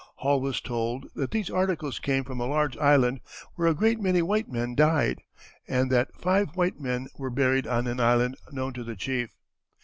Hall was told that these articles came from a large island where a great many white men died, and that five white men were buried on an island known to the chief.